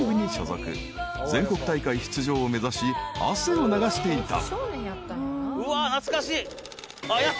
［全国大会出場を目指し汗を流していた］